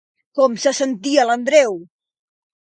Com se sentia l'Andreu?